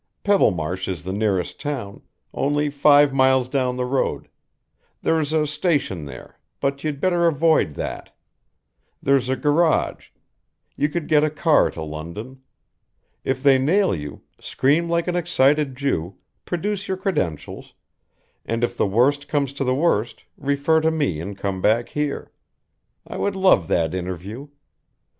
Pebblemarsh is the nearest town, only five miles down the road; there's a station there, but you'd better avoid that. There's a garage. You could get a car to London. If they nail you, scream like an excited Jew, produce your credentials, and if the worst comes to the worst refer to me and come back here. I would love that interview.